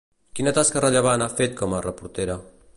Quina tasca rellevant ha fet com a reportera?